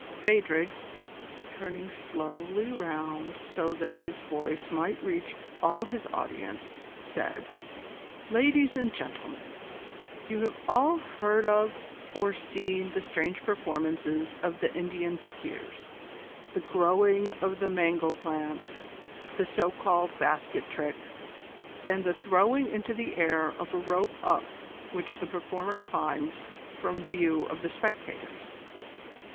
Phadrig, turning slowly round so that his voice might reach all his audience, said: "Ladies and gentlemen, you have all heard of or seen the strange performances of the Indian fakirs: the growing of the mango plant, the so called basket trick, and the throwing into the air of a rope up which the performer climbs from view of the spectators.